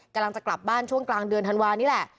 กำลังจะกลับบ้านช่วงกลางเดือนธันวานี่แหละ